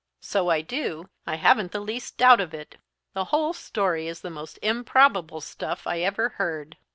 "So I do; I haven't the least doubt of it. The whole story is the most improbable stuff I ever heard."